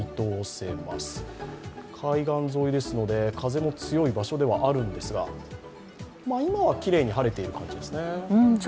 海岸沿いですので風も強いんですが、今はきれいに晴れている感じですね。